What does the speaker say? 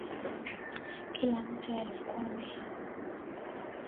Kila mtu elfu kumi